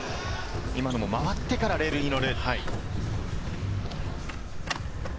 今のも回ってからレールに乗る。